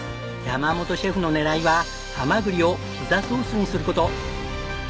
山本シェフの狙いはハマグリをピザソースにする事。